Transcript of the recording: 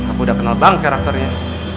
aku udah kenal banget karakternya